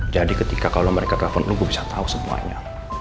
jadi ketika kalo mereka telepon lo gue bisa tau semuanya